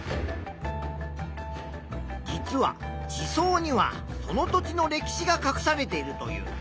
実は地層にはその土地の歴史がかくされているという。